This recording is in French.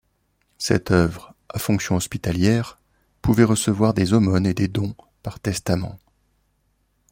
Cette œuvre, à fonction hospitalière, pouvait recevoir des aumônes et des dons par testament.